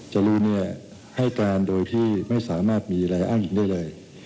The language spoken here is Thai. จรูนให้การโดยที่ไม่สามารถมีอะไรอ้างอิงได้เลย